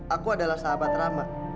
aku adalah sahabat rama